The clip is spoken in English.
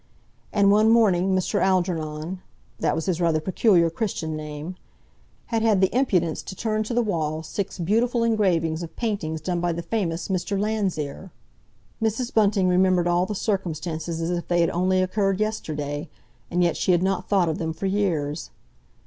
And one morning Mr. Algernon—that was his rather peculiar Christian name—had had the impudence to turn to the wall six beautiful engravings of paintings done by the famous Mr. Landseer! Mrs. Bunting remembered all the circumstances as if they had only occurred yesterday, and yet she had not thought of them for years.